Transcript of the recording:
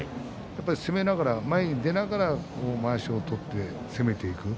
攻めながら前に出ながらまわしを取って攻めていく。